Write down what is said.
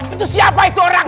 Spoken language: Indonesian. itu siapa itu orang